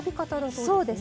そうですね。